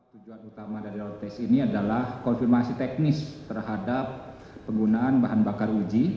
tujuan utama dari road test ini adalah konfirmasi teknis terhadap penggunaan bahan bakar uji